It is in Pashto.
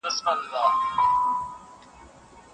دی شاهد زموږ د وصال دی تر هغه چي زه او ته یو